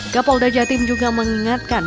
kapolda jatim juga mengingatkan